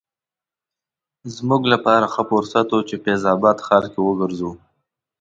زموږ لپاره ښه فرصت و چې فیض اباد ښار کې وګرځو.